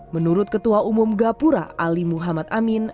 menurut ketua umum gapura ali muhammad amin